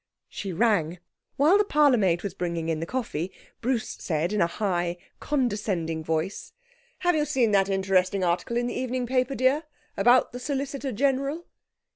She rang. While the parlourmaid was bringing in the coffee, Bruce said in a high, condescending voice 'Have you seen that interesting article in the evening paper, dear, about the Solicitor General?'